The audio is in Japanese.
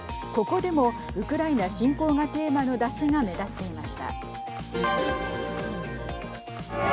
ここでもウクライナ侵攻がテーマの山車が目立っていました。